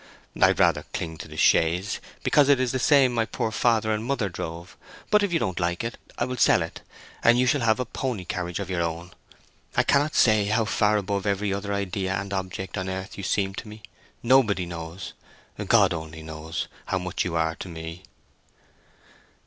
I rather cling to the chaise, because it is the same my poor father and mother drove, but if you don't like it I will sell it, and you shall have a pony carriage of your own. I cannot say how far above every other idea and object on earth you seem to me—nobody knows—God only knows—how much you are to me!"